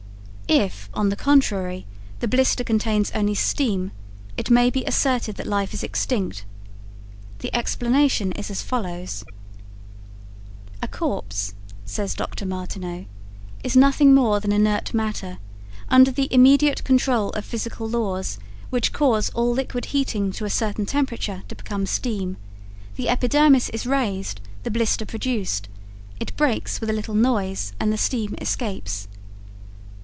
If, on the contrary, the blister contains only steam, it may be asserted that life is extinct. The explanation is as follows: A corpse, says Dr. Martinot, is nothing more than inert matter, under the immediate control of physical laws which cause all liquid heated to a certain temperature to become steam; the epidermis is raised, the blister produced; it breaks with a little noise, and the steam escapes.